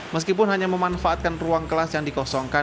meskipun hanya memanfaatkan ruang kelas yang dikosongkan